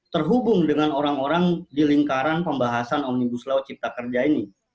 terhubung dengan orang orang di lingkaran pembahasan omnibus law cipta kerja ini